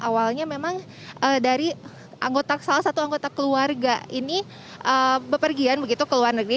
awalnya memang dari salah satu anggota keluarga ini berpergian begitu ke luar negeri